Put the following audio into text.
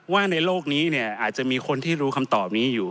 ว่าในโลกนี้เนี่ยอาจจะมีคนที่รู้คำตอบนี้อยู่